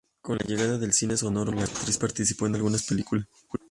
Con la llegada del cine sonoro, la actriz participó en algunas películas.